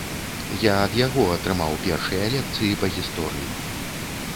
Я ад яго атрымаў першыя лекцыі па гісторыі.